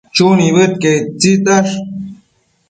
Chu nibëdquiec ictisash